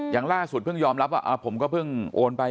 อย่างล่าสุดเพิ่งยอมรับว่าผมก็เพิ่งโอนไป